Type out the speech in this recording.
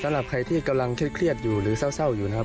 สำหรับใครที่กำลังเครียดอยู่หรือเศร้าอยู่นะครับ